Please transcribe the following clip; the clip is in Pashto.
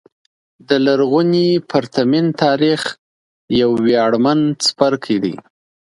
د لرغوني پرتمین تاریخ یو ویاړمن څپرکی دی.